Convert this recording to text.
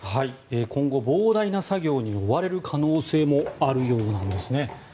今後、膨大な作業に追われる可能性もあるようです。